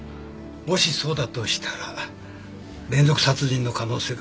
もしそうだとしたら連続殺人の可能性が大きいですな。